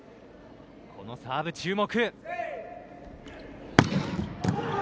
このサーブ注目。